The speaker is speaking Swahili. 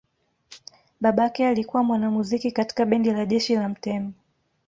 Babake alikuwa mwanamuziki katika bendi la jeshi la mtemi.